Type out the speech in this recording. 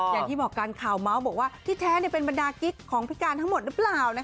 อย่างที่บอกกันข่าวเมาส์บอกว่าที่แท้เป็นบรรดากิ๊กของพิการทั้งหมดหรือเปล่า